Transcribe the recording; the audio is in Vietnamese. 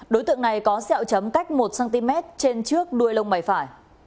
đối tượng này có xeo chấm cách một cm trên trước đuôi lông mày phải